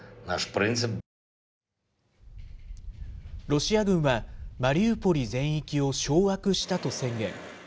ロシア軍は、マリウポリ全域を掌握したと宣言。